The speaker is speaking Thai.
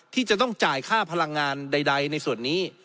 ที่จะต้องจ่ายค่าพลังงานใดในส่วนนี้